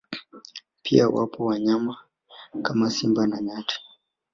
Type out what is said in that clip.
Pia wapo wanyama kama Simba na nyati